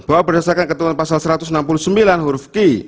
bahwa berdasarkan ketentuan pasal satu ratus enam puluh sembilan huruf q